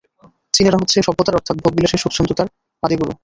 চীনেরা হচ্ছে সভ্যতার অর্থাৎ ভোগবিলাসের সুখস্বচ্ছন্দতার আদিগুরু।